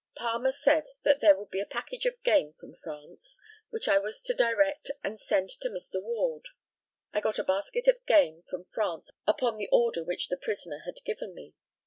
Palmer said that there would be a package of game from France, which I was to direct and send to Mr. Ward. I got a basket of game from France upon the order which the prisoner had given me.